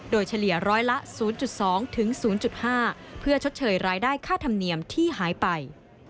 โดยเฉลี่ยร้อยละ๐๒๐๕เพื่อชดเชยรายได้ค่าธรรมเนียมที่หายไป